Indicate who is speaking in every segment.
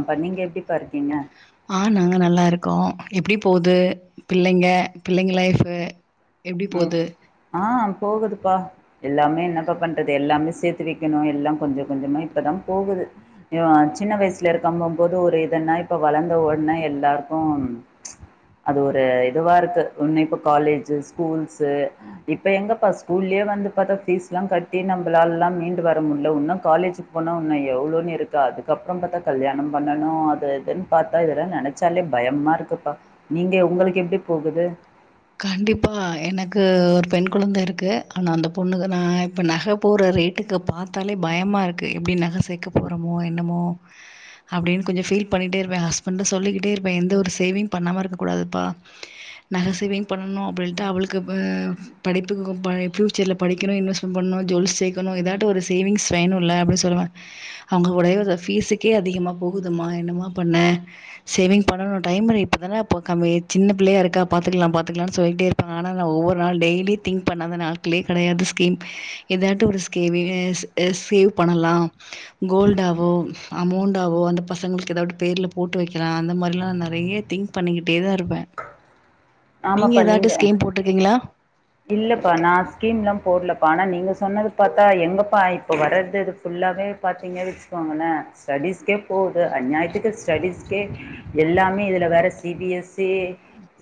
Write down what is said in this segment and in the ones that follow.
Speaker 1: இப்ப நீங்க எப்டிபா இருக்கீங்க
Speaker 2: ஆ நாங்க நல்லாருக்கோ எப்டி போகுது பிள்ளைங்க பிள்ளைங்க லைஃபு எப்டி
Speaker 1: ம்
Speaker 2: போது?
Speaker 1: ஆ போகுதுப்பா எல்லாமே என்னப்ப பண்றது எல்லாமே சேத்து வைக்கணும் எல்லாம் கொஞ்ச கொஞ்சமா இப்பதா போகுது இவ சின்ன வயசுல இருக்க போகும்போது ஒரு இதன்னா இப்போ வளர்ந்த உடனா எல்லாருக்கும் அது ஒரு இதுவா இருக்கு இன்னும் இப்ப காலேஜு ஸ்கூல்ஸு இப்ப எங்கப்பா ஸ்கூல்லயே வந்து பாத்தா ஃபீஸ் எல்லா கட்டி நம்மளாலல்லா மீண்டு வர முடில இன்னு காலேஜ் போனன்னும் எவ்ளோன்னு இருக்கா அதுக்கப்பற பாத்தா கல்யாண பண்ணணு அது இதுன்னு பாத்தா இதெல்லா நெனைச்சாலே பயமா இருக்குப்பா நீங்க உங்களுக்கு எப்டி போகுது
Speaker 2: கண்டிப்பா எனக்கு ஒரு பெண் குழந்த இருக்கு ஆனா அந்த பொண்ணுக்கு நா இப்ப நகப் போற ரேட்டுக்கு பாத்தாலே பயமாக இருக்குது எப்டி நக சேக்க போறோமோ என்னமோ அப்டின்னு கொஞ்ச ஃபீல் பண்ணிட்டே இருப்ப ஹஸ்பண்ட சொல்லிக்கிட்டே இருப்ப எந்த ஒரு சேவிங் பண்ணாம இருக்க கூடாதுப்பா நக சேவிங் பண்ணனும் அப்டின்ட்டு அவளுக்கு அஹ் படிப்புக்கு பஃயூச்சர்ல படிக்கணும் இன்வெஸ்ட்மெண்ட் பண்ணணும் ஜூவல்ஸ் சேக்கணும் ஏதாவது ஒரு சேவிங்ஸ் வேணும்ல்ல இ அப்டின்னு சொல்வ அவுங்க உடைய ஃபீஸுக்கே அதிகமா போகுதுமா என்னமா பண்ண சேவிங் பண்ணணும் டைம் இருக்கு இப்பதான சின்ன பிள்ளையா இருக்கா பாத்துக்கலா பா பாத்துக்கலா சொல்டே இருப்பாங்க ஆனா ஒவ்வொரு நாள் டெலியும் தி்ங் பண்ணாத நாட்களே கெடையாது ஸ்கீம் எதாட்டும் ஒரு ஸ்கேவி சேவ் பண்ணலா கோல்ட ஆவோ அமௌண்டவோ அந்த பசங்களுக்கு ஏதாவது பேர்ல போட்டு வைக்கலா அந்த மாரிலா நா நெறய திங்க் பண்ணிக்கிட்டே தா இருப்ப நீங்க ஏதாவது ஸ்கீம் போட்டிருக்கீங்களா
Speaker 1: இல்லப்பா நா ஸ்கீம் எலாம் போடலப்பா ஆனா நீங்க சொன்னது பாத்தா எங்கப்பா இப்போ வர்றது அது ஃபுல்லாவே பாத்தீங்க வைச்சிக்கிங்கள ஸ்டடிஸ்க்கே போகுது அந்நியத்துக்கு ஸ்டடிஸ்கே எல்லாமே இதுல வேற C B S C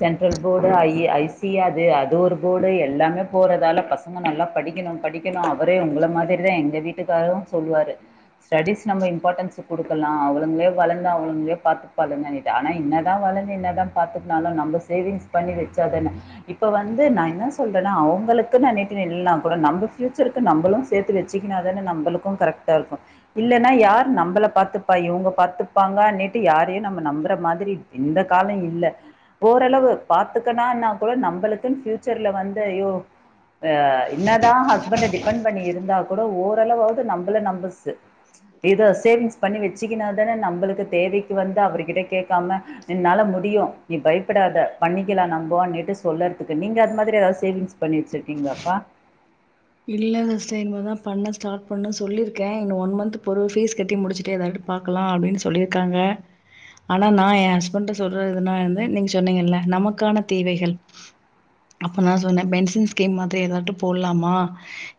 Speaker 1: central board I I C அது அது ஒரு கூட எல்லாமே போறதால பசங்க நல்லா படிக்கணும் படிக்கணும் அவரே உங்கள மாரி தா எங்க வீட்டுக்காரும் சொல்லுவாரு ஸ்டடிஸ் நம்ம இம்பார்ட்டன்ஸ் குடுக்கலா அவுங்களே வளர்ந்த அவுங்களே பாத்துபாலுங்க ஆனா என்னதா வளந்து என்னதா பாத்தனாலு நம்ம சேவிங்ஸ் பண்ணி வச்சாதானே இப்ப வந்து நா என்ன சொல்றேனா அவுங்களுக்கு இல்லாட்டினாலு நம்ப பியூச்சருக்கும் நம்மளும் சேத்து வச்சுக்குன்னத்தான நம்ளு கரெக்ட் த இருக்கும் இல்லன்னா யார் நம்மள பாத்துப்பா இவங்க பாத்துப்பாங்கன்னுட்டு யாரையு நம்ம நம்புற மாதிரி இந்த கால இல்ல ஓரளவு பாத்துக்கனா கூட நம்மளுக்கு பச்சர்ல வந்து ஐயோ ஆ என்னதா ஹஸ்பண்ட் டிபெண்ட் பண்ணி இருந்தா கூட ஓரளவாவது நம்மள நம்புச்சு இத சேவிங்ஸ் பண்ணி வச்சுக்கனா தான நம்மளுக்கு தேவைக்கு வந்து அவர்கிட்ட கேட்காம என்னால முடியு நீ பயப்படாத பண்ணிக்கலா நம்போட்டு சொல்லறதுக்கு நீங்க இந்த மாதிரி எதாவது சேவிங்ஸ் பண்ணி வச்சிருக்கீங்களாப்பா
Speaker 2: இல்லங்க சிஸ்டர் இனிமேதா பண்ண ஸ்டார்ட் பண்ண சொல்லிருக்க ஒன் மந்த் ஃபீஸ் கட்டி முடிச்சிட்டே பாக்கலா அப்டின்னு சொல்லியிருக்காங்க ஆனா நா எய ஹஸ்பண்ட் சொல்றது வந்து நீங்க சொன்னீங்கல்ல நமக்கான தேவைகள் அப்ப நா சொன்ன பென்ஷன் ஸ்கீம் மாதிரி ஏதாவது போடலாமா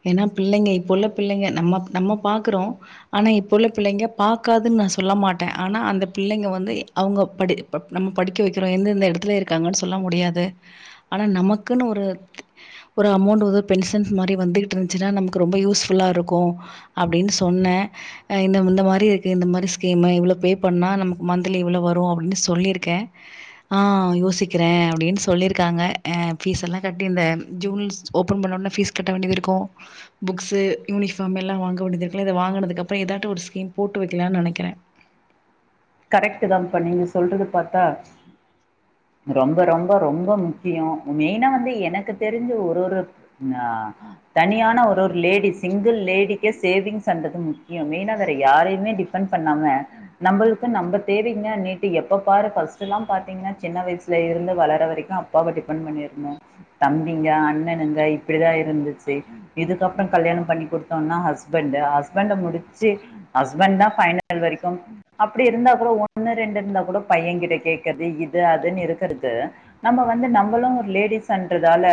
Speaker 2: ஏன்னா பிள்ளைங்க இப்ப உள்ள பிள்ளைங்க நம்ம நம்ம பாக்குறோ ஆனா இப்ப உள்ள பிள்ளைங்க பாக்காதுன்னு நா சொல்ல மாட்ட ஆனா அந்த பிள்ளைங்க வந்து அவங்க படி நம்ம படிக்க வக்கிறோ எந்தெந்த எடத்துல இருக்காங்க சொல்ல முடியாது ஆனா நமக்குன்னு ஒரு ஒரு அமௌண்ட்டு பென்ஷன் மாரி வந்துகிட்டு இருந்துச்சுன்னா நமக்கு ரொம்ப யூஸ் ஃபுல்லா இருக்கூ அப்டின் சொன்ன அ இந்த மாரி இருக்கு இந்த மாரி ஸ்கீம்மு இவ்வளவு பே பண்ணா நமக்கு மந்த்லி இவ்ளோ வரு அப்டின்னு சொல்லியிருக்கே ஆ யோசிக்கிற அப்டின்னு சொல்லியிருக்காங்க அ ஃபீஸ் எல்லா கட்டி இந்த ஜூன் ஓப்பன் பண்ணோனா ஃபீஸ் கட்ட வேண்டியது இருக்கூ புக்ஸு யூனிஃபார்ம் எல்லா வாங்க வேண்டியிதுருக்குல்ல இத வாங்குனது அப்புற ஏதாட்ட ஒரு ஸ்கீம் போட்டு வைக்கலானு நனைக்கிற
Speaker 1: கரெக்ட்டுதாம்ப்பா நீங்க சொல்றது பாத்தா ரொம்ப ரொம்ப ரொம்ப முக்கியொ மெயினா வந்து எனக்கு தெரிஞ்சு ஒரு ஒரு ஆ தனியான ஒரு ஒரு லேடி சிங்கிள் லேடிக்கே சேவிங்ஸ்ன்றது முக்கியொ மெயினா வேற யாரையுமே டிஃபன் பண் பண்ணாம நம்பளுக்கு க்கு நம்ப தேவைங்க நீட்டு எப்ப பாரு ஃபஸ்ட்ல்லாம் பாத்தீங்கன்னா சின்ன வயசுல இருந்து வளர வரைக்கூ அப்பாவ டிபெண்ட் பண்ணிருந்தோ தம்பிங்க அண்ணனுங்க இப்பிடிதா இருந்துச்சி இதுக்கப்பற கல்யாணம் பண்ணி குடுத்தோனா ஹஸ்பண்ட்டு ஹஸ்பண்ட முடிச்சி ஹஸ்பண்ட் தா ஃபைனல் வரைக்கும் அப்டி இருந்தா கூட ஒண்ணு ரெண்டு இருந்தா கூட பையன் கிட்ட கேக்கறது இது அதுன்னு இருக்கறது நம்ம வந்து நம்மளு ஒரு லேடிஸ்ன்றதால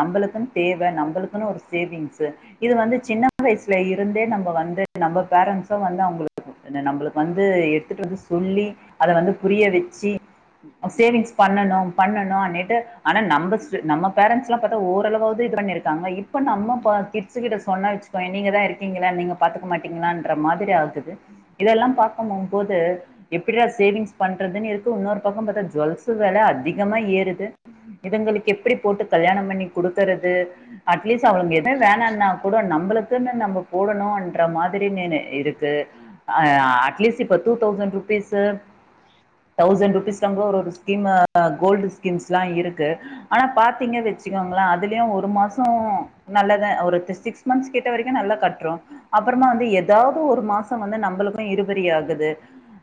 Speaker 1: நம்மளுக்குந் தேவ நம்பளுக்குன்னு ஒரு சேவிங்ஸ்சு இது வந்து சின்ன வயசுல இருந்தே நம்ம வந்து நம்ம பேரண்ட்ஸ்சும் வந்து அவுங்களுக்கு நம்மளுக்கு வந்து அது எடுத்துட்டு வந்து சொல்லி அத வந்து புரிய வெச்சி சேவிங்ஸ் பண்ணனு பண்ணனு ஆனிட்டு ஆனா நம்ப நம்ம பேரண்ஸ்லா பாத்தா ஓரளவாவ்து இது பண்ணி இருக் க்காங்க இப்ப நம்ம கிட்ஸ் கிட்ட சொன்ன வச்சுக்கோயே நீங்க தா இருக்கீங்கள நீங்க பாத்துக்க மாட்டீங்களா ன்ற மாதிரி ஆகுது இதெல்லா பாக்கபோம் போது எப்டிடா சேவிங்ஸ் பண்றதுன்னு இருக்கு உன்னொரு பக்கம் பாத்தா ஜுவல்ஸ் வெவ அதிகமா ஏறுது இதுங்களுக்கு எப்டி போட்டு கல்யாணம் பண்ணி குடுக்கறது அட்லீஸ்ட் அவுங்க எதுவு வேணாம்னா கூட நம்பளுக்குன்னு நம்ப போடணுன்ற மாதிரி நீனு இருக்கு அ அட்லீஸ்ட் இப்ப டூதௌசண்ட் ருபீஸ்சு தௌசண்ட் ருபீஸ்லாங்க ஒரு ஒரு ஸ்கீம் அ கோல்டு ஸ்கீம்ஸ்லா இருக்கு ஆனா பாத்திங்க வச்சுக்கோங்கள அதுலயு ஒரு மாசோ நல்லதா ஒரு சிக்ஸ் மந்த்ஸ் கிட்ட வரைக்கூ நல்லா கட்றோ அப்புறமா வந்து எதாவ்து ஒரு மாசம் வந்து நம்பளுக்கூ இருபரி ஆகுது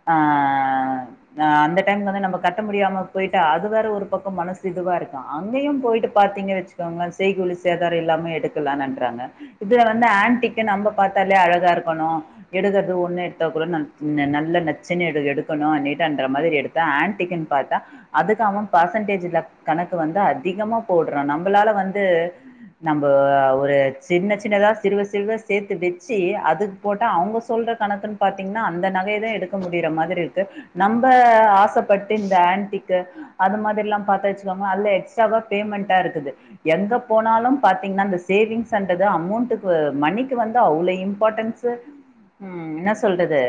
Speaker 1: க்குது ஆ அ அந்த டைம்க்கு வந்து நம்ப கட்ட முடியாம போய்ட்டா அது வேற ஒரு பக்கொ மனசு இதுவா இருக்கு அங்கேயு போயிட்டு பாத்தீங்க வெச்சுக்கோங்கள செய்கூலி சேதாரொ இல்லாம எடுக்கலான்றாங்க இதுல வந்து ஆன்டிக்கு நம்ப பாத்தாலே அழகா இருக்கணு எடுக்கிறது ஒண்ணு எடுத்தா கூட நம்ம நல்ல நச்சுன்னு எடு எடுக்கணு அ நீட்டுன்ற மாதிரி எடுத்தால் ஆன்டிகின்னு பாத்தா அதுக்கவ பர்சன்டேஜ்ல கணக்கு வந்து அதிகமா போட்றா நம்பளால வந்து நம்ப ஒரு சின்ன சின்னதா சிறுவ சிறுவ சேத்து வெச்சி அது போட்டா அவுங்க சொல்ற கணக்குன்னு பாத்தீங் னா அந்த நகைய தா எடுக்க முடியிற மாதிரி இருக்கு நம்ப ஆசப்பட்டு இந்த ஆண்ட்டிக்கு அது மாரில்லா பத்தா வச்சுக்கோங்க அதுல எக்ஸ்ட்ராவா பேமெண்டா இருக்குது எங்க போனாலு பாத்தீங்னா இந்த சேவிங்ஸ்ன்றது அமௌண்ட்டுக்கு மணிக்கு வந்து அவ்ளொ இம்பார்ட்டன்ஸ் ம் என்ன சொல்றது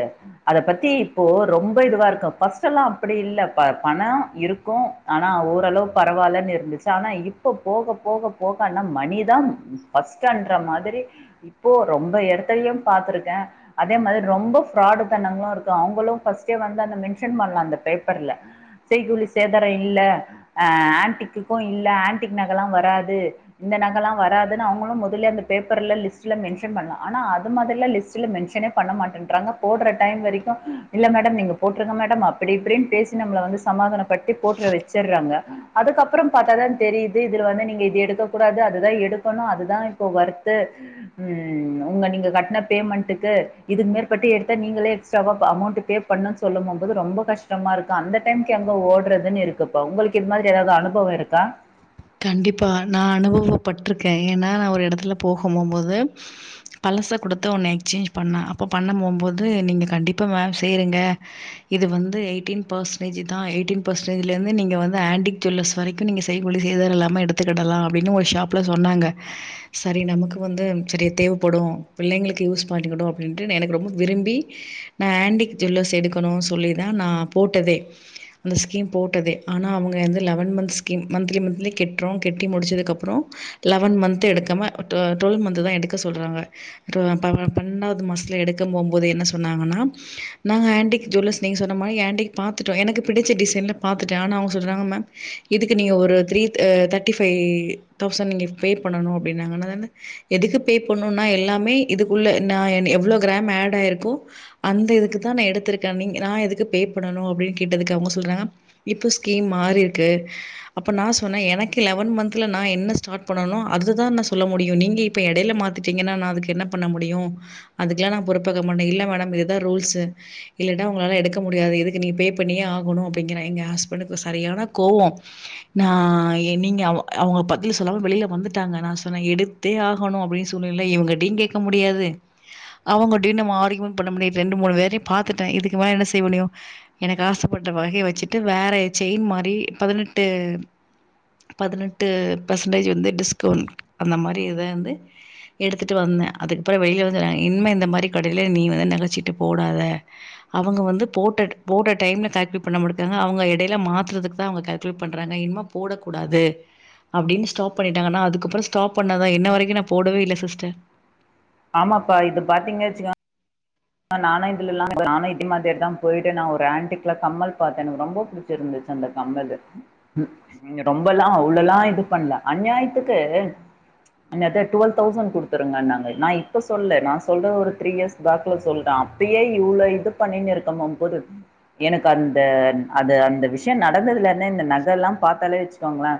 Speaker 1: அத பத்தி இப்போ ரொம்ப இதுவா இருக்கு ஃபஸ்ட்ல்லா அப்டி இல்ல இப்ப பணோ இருக்கு ஆனா ஓரளவு பரவால்லன்னு இருந்துச்சு ஆனா இப்ப போக போக போக ஆனா மணிதா ஃபஸ்ட்ன்ற மாதிரி இப்போ ரொம்ப எடத்தயு பாத்ருக்கே அதே மாரி ரொம்ப ஃபிராடு தனங்களு இருக்கு அவுங்களு ஃபர்ஸ்ட்டே வந்து அந்த மென்ஷன் பண்லா அந்த பேப்பர்ல செய்கூலி சேதார இல்ல அ ஆன்டிக்குக்கு இல்ல ஆன்டிக் நகல்லா வராது இந்த நகலா வராதுன்னு அவங்களு முதல அந்த பேப்பர்ல லிஸ்ட்ல மென்ஷன் பண்லா ஆனா அது மாதிரிலா லிஸ்ட்ல மென்ஷனே பண்ண மாட்டேன்றாங்க போடுற டைம் வரைக்கு இல்ல மேடம் நீங்க போட்ருங்க மேடம் அப்டி இப்டினு பேசி நம்மள வந்து சமாதான படுத்தி போட்ற வச் வச்சுர்றாங்க அதுக்கப்றம் பாத்தாதா தெரியுது இதுல வந்து நீங்க இது எடுக்க கூடாது அதுதா எடுக்கணும் அதுதான் இப்போ ஒர்த்து உம் உங்க நீங்க கட்டின பேமெண்ட்டுக்கு இதுக்கு மேற்பட்டு எடுத்து நீங்களே எக்ஸ்ட்ராவா அமௌண்ட்டு பே பண்ணும்ன்ன சொல்லும் போது ரொம்ப கஷ்டமா இருக்கும் அந்த டை்கக்கு எங்க ஓட்றதுன்னு இருக்கு ப்பா உங்களுக்கு இது மாரி ஏதாவது அனுபவம் இருக்கா
Speaker 2: கண்டிப்பா நான் அனுபவப்பட்டிருக்கே ஏன்னா நான் ஒரு எடத்துல போக போம்போது பழச கொடுத்த ஒண்ணு எக்ஸ்சேஞ்ச் பண்ண அப்ப பண்ண நீங்க மேம் சேருங்க இது வந்து எயிட்டின் பர்சன்டேஜ் தான் எயிட்டின் பர்சன்டேஜ்லந்து நீங்க வந்து ஆன்டிக் ஜல்லஸ் வரைக்கும் நீங்க செய்கூலி இத இல்லாம எடுத்துக்கிடலாம் அப்டின்னு ஒரு ஷாப்ல சொன்னாங்க சரி நமக்கு வந்து சரி தேவப்படும் பிள்ளைங்களுக்கு யூஸ் பண்ணிக்கும் அப்படின்ட்டு எனக்கு ரொம்ப விரும்பி நான் ஆண்டிக் ஜுவல்லர்ஸ் எடுக்கணும்னு சொல்லி தா போட்டதே அந்த ஸ்கீம் போட்டதே ஆனா அவங்க வந்து eleven month scheme monthly month அதல கெட்றோம் கெட்டி முடிச்சதுக்கப்புறம் லெவன் மந்த் எடுக்காம டுவெல்வ் மந்த் தா எடுக்க சொல்றாங்க இப் பண் பண்டாவது மாசத்துல எடுக்க போம்போது என்ன சொன்னாங்கன்னா நாங்க ஆன்டிக் ஜுவல்லஸ் நீங்க சொன்ன மாறி ஆன்டிக் பாத்துட்டோம் பாத்துட்டோம் எனக்கு பிடிச்ச டிசைன்ல பாத்துட்டேன் ஆனா அவங்க சொல்றாங்க இதுக்கு நீங்க ஒரு த்ரீ தேர்ட்டி ஃபைவ் தௌசண்ட் நீங்க பே பண்ணணும் அப்டின்னாங்க நா சொன்னே எதுக்கு பே பண்ணும்னா எல்லாமே இதுக்குள்ள நா எவ்ள கிராம் ஆட் ஆயிருக்கோ அந்த இதுக்கு தா நா எடுத்துருக்கேன் நீ நா எதுக்கு பே பண்ணணும் அப்டின்னு கேட்டதுக்கு அவங்க சொல்றாங்க இப்ப ஸ்கீம் மாரிருக்கு அப்ப நா சொ எனக்கு லெவன் மந்த்தல நா என்ன ஸ்டாட் பண்ணனு அதுதா நா சொல்ல முடியும் நீங்க இப்ப எடையில மாத்திட்டு ட்டீங்கன்னா நா அதுக்கு என்ன பண்ண முடியும் அதுக்கெல்லா நான் பொறுப்பாக மாட்டே இல்ல மேடம் இதுதான் ரூல்ஸ் இல்லட்டா உங்களால எடுக்க முடியாது இதுக்கு நீ பே பண்ணியே ஆகணும் அப்படிங்கறாங்க எ ஹஸ்பண்டுுக்கு சரியான கோவம் நா நீங்க அவங்க பத்தில சொல்லாமல் வெளில வந்துட்டாங்க நான் சொன்னேன் எடுத்தே ஆகணும் அப்டின்னு சொல்லில இவ நீங்க முடியாது அவங்கடியு நம்ம ஆர்கியுமென் பண்ண முடியாது ரெண்டு மூணு பேரையும் பாத்துட்டேன் இதுக்கு மேல என்ன செய்ய முடியும் எனக்கு ஆசைப்பட்ட வகைய வச்சுட்டு வேற செயின் மாரி பதினெட்டு பதினெட்டு பர்சன்டேஜ் வந்து டிஸ்கவுண்ட் அந்த மாரி இதா வந்து எடுத்துட்டு வந்தேன் அதுக்கப்றம் வெளில வந்து இன்மே இந்த மாரி கடைல நீ வந்து நகச்சீட்டு போடாத அவங்க வந்து போட்ட போ டைம்ல கால்குலேட் பண்ணாங்க அவங்க எடைல மாத்துறத்துக்கு தா கால்குலேட் பண்றாங்க இன்ன போடக்கூடாது அப்டின்னு ஸ்டாப் பண்ணிட்டாங்கன்ன அதுக்கப்றம் ஸ்டாப் பண்ணாதா இன்ன வரைக்கும் நா போடவே இல்ல சிஸ்டர்
Speaker 1: ஆமாப்பா இது பாத்தீங்கனு வச்சு நானு இதுலல்லாம் நானும் இதுமாதிரி தா போயிட்டு நா ஒரு ஆண்டிக்ல கம்மல் பாத்தேன் எனக்கு ரொம்ப புடிச்ச இருந்துச்சு அந்த கம்மல் நீங்க ரொம்பல்லாம் அவ்ளல்லாம் இது பண்ணல அநியாயத்துக்கு என்னது டுவெல் தௌசண்ட் குடுத்துருங்கனாங்க நா இப்ப சொல்ல நா சொல்றது ஒரு த்ரீ இயர்ஸ் பேக் சொல்றே அப்பயே இவ்ளோ இது பண்ணினு இருக்கும் போது எனக்கு அந்த அது அந்த விஷ்யோ நடந்தது இருந்த இந்த நக எல்லா பாத்தாலே வச்சுக்கோங்களே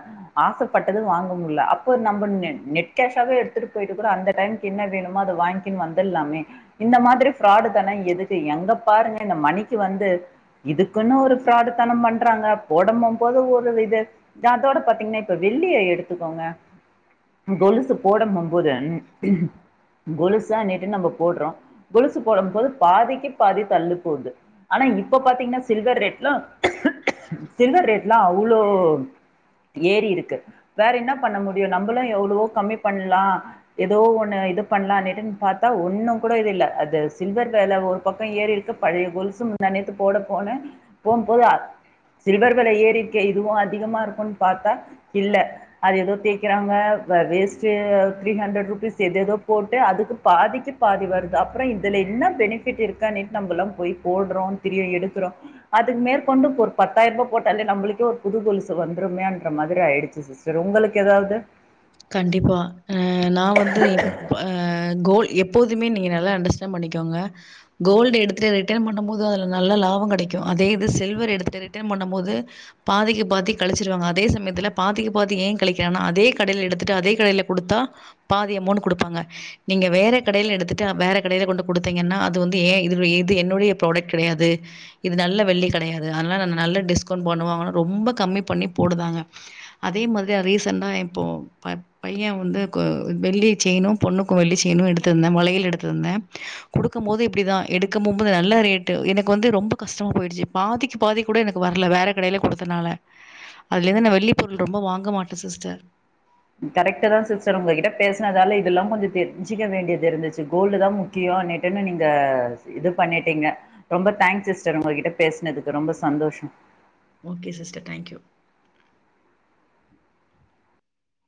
Speaker 1: ஆசப்பட்டத வாங்க முல்ல அப்ப நம்ம நெட் நெட் கேஷாவே எடுத்துட்டு போயிட்டு கூட அந்த டைம் என்ன வேணுமோ அத வாங்கின் வந்தர்லாமே இந்த மாதிரி ஃப்ராடு தன எதுக்கு எங்க பாருங்க இந்த மணிக்கு வந்து இதுக்குன்னு ஒரு ஃப்ராடுத்தனம் பண்றாங்க போடம போது ஒரு இது த அத்தோட பாத்தீங்கன்னா இப்ப வெள்ளிய எடுத்துக்கோங்க கொலுசு போட போம் போது கொலுசானுட்டு நம்ப போற்றோ கொலுசு போடும் போது பாதிக்கு பாதி தள்ளு போகுது ஆனா இப்ப பாத்தீங்கன்னா சில்வர் ரேட்லா சில்வர் ரேட்லா அவ்ளோ ஏறி இருக்கு வேற என்ன பண்ண முடியு நம்பளு எவ்வளவோ கம்மி பண்லா ஏதோ ஒண்ண இது பண்லான்னேட்டு பாத்தா ஒன்னு கூட இது இல்ல அது சில்வர் வெல ஒர் பக்க ஏறி இருக்கு பழைய கொலுசு முந்தா நேத்து போட போன்னே போம் போது சில்வர் வெல ஏறிர்க்கே இதுவு அதிகமா இருக்குன் பாத்தா இல்ல அது எதோ தேக்கிறாங்க வேஸ்ட்டு த்ரீ ஹண்ட்ரட் ருபீஸ் எது எதோ போட்டு அதுக்கு பாதிக்கு பாதி வருது அப் பற இதுல என்ன பெனிஃபிட் இருக்கான்னேட் நம்ம எல்லா போய் போடுறோ தெரி எடுக்குறோ அதுக் மேற்கொண்டு ஒரு பத்தாயிரரூபா போட்டாலே நம்மளுக்கே ஒரு புது கொலுசு வந்துருமேன்ற மாரி ஆயிடுச்சு சிஸ் சரி உங்களுக்கு எதாவது
Speaker 2: கண்டிப்பா அ நா வந்து ப கோல் எப்போதுமே நீங்க நல்லா அண்டர்ஸ்டாண்ட் பண்ணிக்கோங்க கோல்டு எடுத்துட ரேட்டே ரிட்டர்ன் பண்ணும் போது அதுல நல்ல லாப கிடைக்கு அதே இது சில்வர் எடுத்துட்டு ரிட்டர்ன் பண்ணும் போது பாதிக்கு பாதி கழிச்சிருவாங்க அதே சமயத்துல பாதிக்கு பாதி ஏ கழிக்கிறானா அதே கடையில் எடுத்துட்டு அதே கடையில குடுத்தா பாதி அமௌன்ட் குடுப்பாங்க நீங்க வேற கடையில எடுத்துட்டு வேற கடையில கொண்டு குடுத்தீங்கன்னா அது வந்து ஏ இது இது என்னுடைய ப்ராடக்ட் கிடையாது இது நல்ல வெள்ளி கடையாது அதனால ந நல்ல டிஸ்கவுண்ட் பண்ணுவாங்கனு ரொம்ப கம்மி பண்ணி போடுதாங்க அதே மாதிரிய ரீசண்டா இப்போ அ பைய வந்து கொ வெள்ளி செய்ன்னு பொண்ணுக்கு வெள்ளி செய்ன்னு எடுத்திருந்தே மலையில் எடுத்திருந்தே கொடுக்கும் போது இப்படிதா எடுக்கும் போபோது நல்லா ரேட்டு எனக்கு வந்து ரொம்ப கஷ்டமா போயிடுச்சு பாதிக்கு பாதி கூட எனக்கு வர்ல வேற கடையில கொடுத்த நால அதுல இருந்து நா வெள்ளிப் பொருள் ரொம்ப வாங்க மாட்டே சிஸ்டர்
Speaker 1: கரெக்ட்டு தா சிஸ்டர் உங்ககிட்ட பேஸ்னதால இதெல்லாம் கொஞ்ச தெரிஞ்சிக்க வேண்டியது இருந்துச்சு கோல்டு தான் மு க்கியோனேட்டுன்னு நீங்க இது பண்ணிட்டீங்க ரொம்ப தேங்க் சிஸ்டர் உங்ககிட்ட பேசுனதுக்கு ரொம்ப சந்தோஷோ
Speaker 2: ஓகே சிஸ்டர் தேங்க் யூ